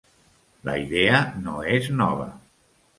La idea no és nova.